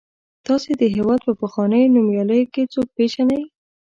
تاسې د هېواد په پخوانیو نومیالیو کې څوک پیژنئ.